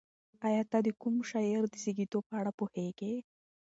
ایا ته د کوم شاعر د زېږد په اړه پوهېږې؟